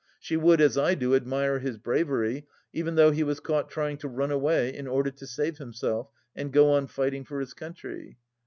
She would, as I do, admire his bravery, even though he was caught trying to run away in order to save himself and go on fighting for his country.